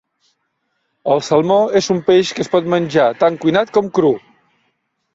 El salmó és un peix que es pot menjar tant cuinat com cru.